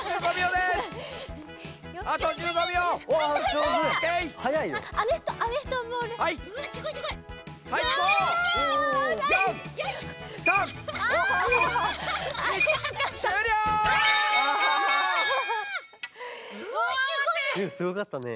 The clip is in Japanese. でもすごかったね。